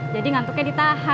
jadi ngantuknya ditahan